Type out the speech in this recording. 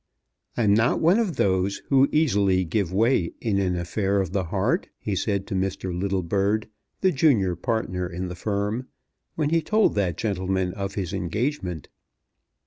"I'm not one of those who easily give way in an affair of the heart," he said to Mr. Littlebird, the junior partner in the firm, when he told that gentleman of his engagement.